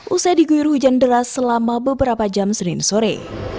usai diguyur hujan deras selama beberapa jam senin sore